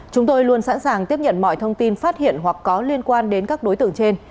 chúng tôi luôn sẵn sàng tiếp nhận mọi thông tin phát hiện hoặc có liên quan đến các đối tượng trên